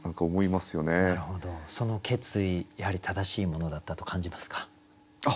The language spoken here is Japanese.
その決意やはり正しいものだったと感じますか？